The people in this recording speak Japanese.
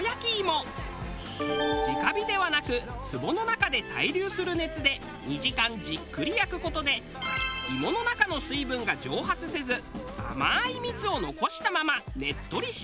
直火ではなくつぼの中で対流する熱で２時間じっくり焼く事で芋の中の水分が蒸発せず甘い蜜を残したままねっとり仕上がる。